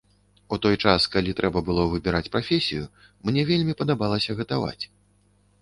У той час, калі трэба было выбіраць прафесію, мне вельмі падабалася гатаваць.